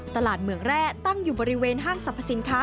เมืองแร่ตั้งอยู่บริเวณห้างสรรพสินค้า